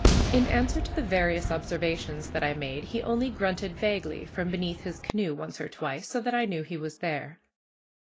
In answer to the various observations that I made he only grunted vaguely from beneath his canoe once or twice, so that I knew he was there.